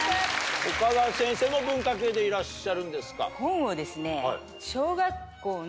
岡田先生も文化系でいらっしゃるんですか？